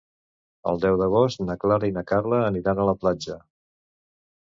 El deu d'agost na Clara i na Carla aniran a la platja.